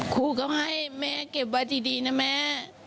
ครูก็ให้แม่เก็บไว้ดีนะแม่